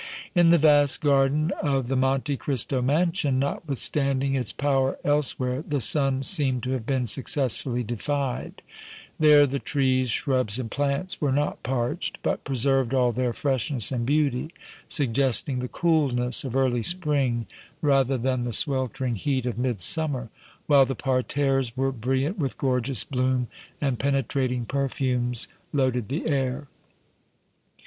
In the vast garden of the Monte Cristo mansion, notwithstanding its power elsewhere, the sun seemed to have been successfully defied; there the trees, shrubs and plants were not parched, but preserved all their freshness and beauty, suggesting the coolness of early spring rather than the sweltering heat of midsummer, while the parterres were brilliant with gorgeous bloom and penetrating perfumes loaded the air.